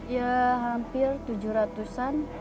ya hampir tujuh ratus an